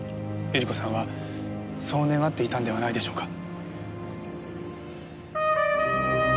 百合子さんはそう願っていたんではないでしょうか。